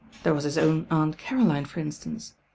1 here was his own Aunt Caroline, for instance.